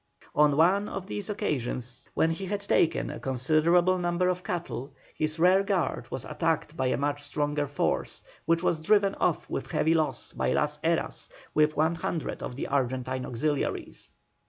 On one of these occasions, when he had taken a considerable number of cattle his rear guard was attacked by a much stronger force, which was driven off with heavy loss by Las Heras with 100 of the Argentine auxiliaries.